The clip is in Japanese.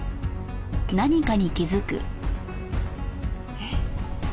えっ？